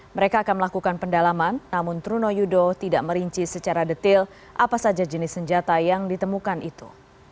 mereka akan melakukan pendalaman namun truno yudo tidak merinci secara detail apa saja jenis senjata yang ditemukan itu